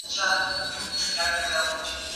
تاسو مه هېروئ چې هر انسان د ټولنې یوه برخه ده.